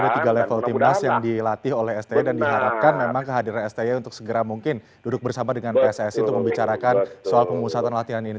jadi ada tiga level timnas yang dilatih oleh sde dan diharapkan memang kehadiran sde untuk segera mungkin duduk bersama dengan pssi untuk membicarakan soal pengusahaan latihan ini